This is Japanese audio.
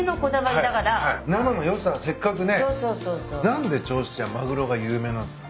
何で銚子はマグロが有名なんですか？